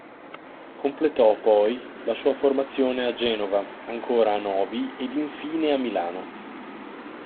Completò poi la sua formazione a Genova, ancora a Novi ed infine a Milano.